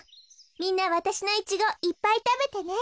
みんなわたしのイチゴいっぱいたべてね。